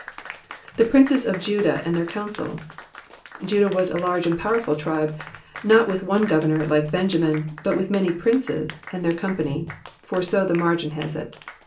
''^The princes of Judah and their council.''^ Judah was a large and powerful tribe, not with one governor, like Benjamin, but with many princes *' and their company," for so the margin has it.